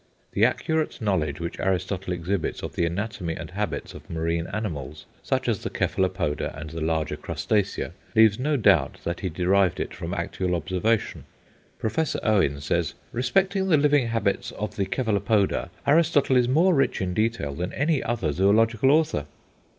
The accurate knowledge which Aristotle exhibits of the anatomy and habits of marine animals, such as the Cephalopoda and the larger Crustacea, leaves no doubt that he derived it from actual observation. Professor Owen says, "Respecting the living habits of the Cephalopoda, Aristotle is more rich in detail than any other zoological author."